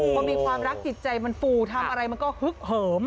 พอมีความรักจิตใจมันฟูทำอะไรมันก็ฮึกเหิม